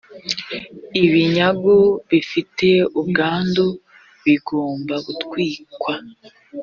ibinyagu bifite ubwandu bigomba gutwikwa